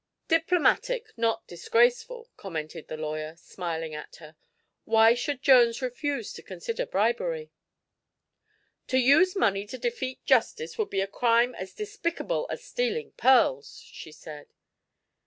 "Diplomatic, not disgraceful," commented the lawyer, smiling at her. "Why should Jones refuse to consider bribery?" "To use money to defeat justice would be a crime as despicable as stealing pearls," she said.